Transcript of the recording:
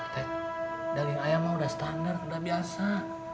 teg daging ayamnya sudah standar sudah biasa